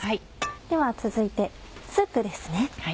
では続いてスープですね。